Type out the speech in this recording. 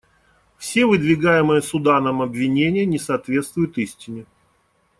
Все выдвигаемые Суданом обвинения не соответствуют истине.